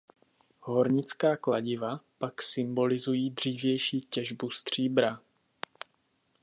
Hornická kladiva pak symbolizují dřívější těžbu stříbra.